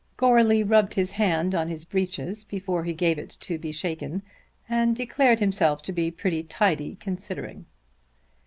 Goarly rubbed his hand on his breeches before he gave it to be shaken and declared himself to be "pretty tidy, considering."